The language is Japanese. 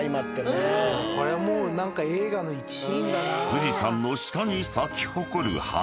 ［富士山の下に咲き誇る花